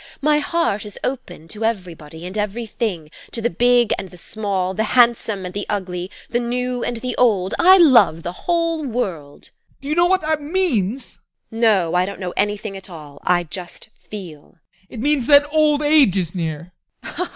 My heart is open to everybody and everything, to the big and the small, the handsome and the ugly, the new and the old I love the whole world. ADOLPH. Do you know what that means? TEKLA. No, I don't know anything at all. I just FEEL. ADOLPH. It means that old age is near.